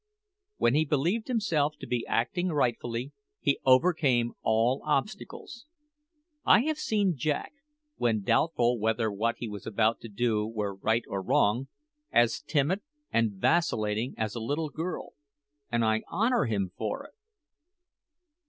When he believed himself to be acting rightly, he overcame all obstacles. I have seen Jack, when doubtful whether what he was about to do were right or wrong, as timid and vacillating as a little girl; and I honour him for it!